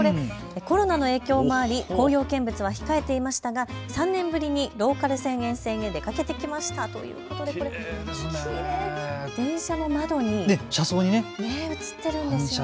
コロナの影響もあり紅葉見物は控えていましたが、３年ぶりにローカル線沿線へ出かけてきましたということでこれきれい、電車の窓に映っているんですね。